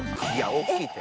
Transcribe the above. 大きいって。